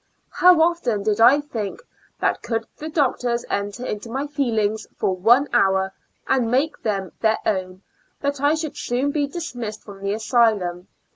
How often did I think that could the doctors enter into my feelings for one hour, and make them their own, that I should soon be dismissed from the asylum.